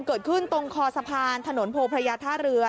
เกิดขึ้นตรงคอสะพานถนนโพพระยาท่าเรือ